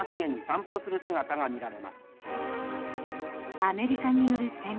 アメリカによる占領。